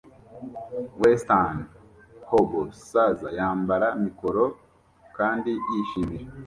Western hobo saza yambara mikoro kandi yishimisha